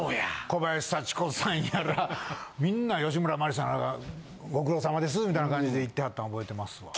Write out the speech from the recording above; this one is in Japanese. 小林幸子さんやらみんな芳村真理さんやらご苦労さまですみたいな感じでいってはったん覚えてますわ。